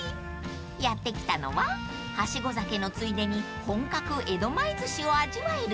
［やって来たのははしご酒のついでに本格江戸前ずしを味わえるお店］